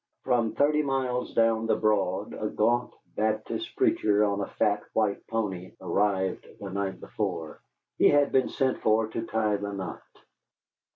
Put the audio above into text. From thirty miles down the Broad, a gaunt Baptist preacher on a fat white pony arrived the night before. He had been sent for to tie the knot.